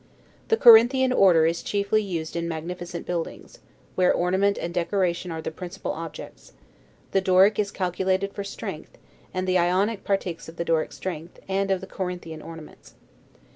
The Corinthian Order is chiefly used in magnificent buildings, where ornament and decoration are the principal objects; the Doric is calculated for strength, and the Ionic partakes of the Doric strength, and of the Corinthian ornaments.